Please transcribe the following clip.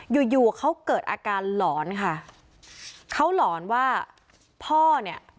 อยู่อยู่เขาเกิดอาการหลอนค่ะเขาหลอนว่าพ่อเนี่ย